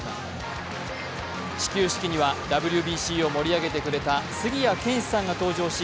始球式にはＷＢＣを盛り上げてくれた杉谷拳士さんが登場し、